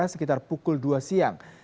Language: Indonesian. sekitar pukul dua siang